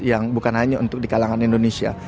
yang bukan hanya untuk di kalangan indonesia